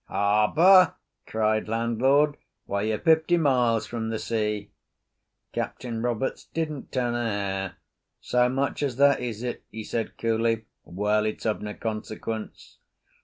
"Harbour!" cried landlord; "why, you're fifty miles from the sea." Captain Roberts didn't turn a hair. "So much as that, is it?" he said coolly. "Well, it's of no consequence."